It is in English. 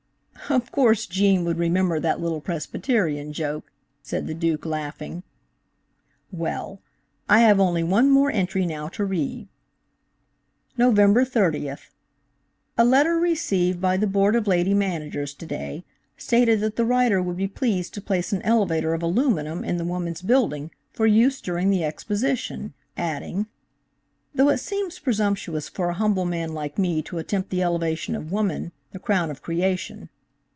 '" "Of course Gene would remember that little Presbyterian joke," said the Duke, laughing. "Well! I have only one more entry now to read: Nov. 30th.–"A letter received by the Board of Lady Managers to day, stated that the writer would be pleased to place an elevator of aluminum in the Woman's Building, for use during the Exposition, adding: "'Though it seems presumptuous for a humble man like me to attempt the elevation of woman, the crown of creation.'